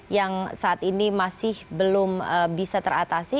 yang saat ini masih belum bisa teratasi